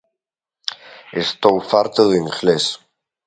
Estou farto do inglés!